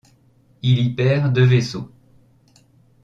Il y perd deux vaisseaux.